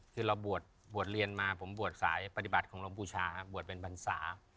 คือเราบวชเรียนมาผมบวชสายปฏิบัติของลมพูชาบวชเป็นบรรษา